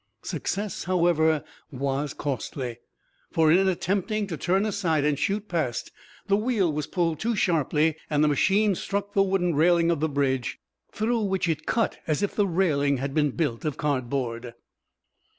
Success, however, was costly; for, in attempting to turn aside and shoot past, the wheel was pulled too sharply, and the machine struck the wooden railing of the bridge, through which it cut as if the railing had been built of cardboard.